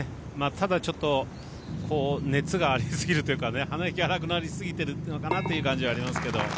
ただ、ちょっと熱がありすぎるというか鼻息荒くなりすぎてるのかなというところがありますけど。